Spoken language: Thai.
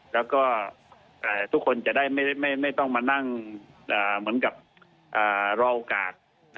แล้วก็ทุกคนจะได้ไม่ต้องมานั่งเหมือนกับรอโอกาส